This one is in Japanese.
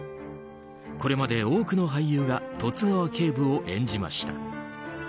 これまで多くの俳優が十津川警部を演じました。